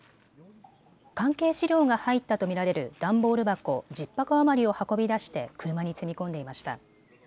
関係資料が入ったと見られる段ボール箱１０箱余りを運び出して車に積み込んでいました。